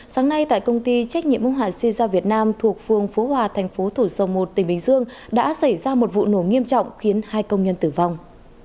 sáng nay tại công ty trách nhiệm mong hạn xây ra việt nam thuộc phương phố hòa thành phố thủ sông một tỉnh bình dương đã xảy ra một vụ nổ nghiêm trọng khiến hai công nhân tử vong